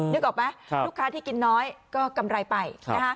นึกออกไหมลูกค้าที่กินน้อยก็กำไรไป